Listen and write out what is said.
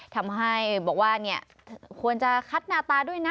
ทำให้บอกว่าควรจะคัดหน้าตาด้วยนะ